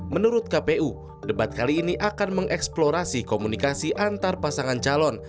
menurut kpu debat kali ini akan mengeksplorasi komunikasi antar pasangan calon